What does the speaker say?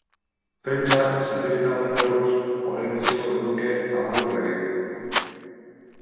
Pentsa, zatiketa honen erruz, orain ezingo genuke Ama Lur egin.